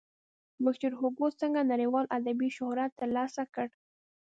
ویکتور هوګو څنګه نړیوال ادبي شهرت ترلاسه کړ.